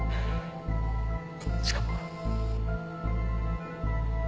しかも。